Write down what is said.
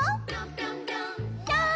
ぴょん。